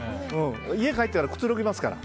家帰ったらくつろぎますから。